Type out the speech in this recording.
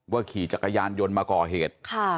ขี่จักรยานยนต์มาก่อเหตุ